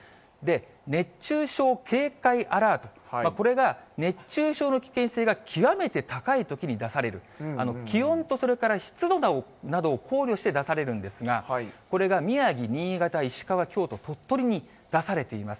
熱中症警戒アラート、これが熱中症の危険性が極めて高いときに出される、気温とそれから湿度などを考慮して出されるんですが、これが宮城、新潟、石川、京都、鳥取に出されています。